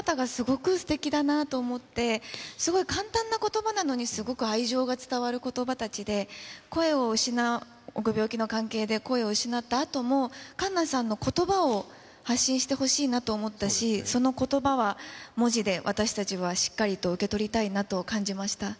私、同世代なんですけれども、ことばの選び方がすごくすてきだなと思って、すごい簡単なことばなのに、すごく愛情が伝わることばたちで、声を失うご病気の関係で声を失ったあとも、栞奈さんのことばを発信してほしいなと思ったし、そのことばは文字で私たちはしっかりと受け取りたいなと感じまし